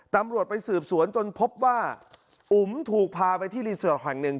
ตำรวจไปสืบสวนจนพบว่าอุ๋มถูกพาไปที่รีสอร์ทแห่งหนึ่ง